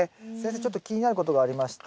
ちょっと気になることがありまして。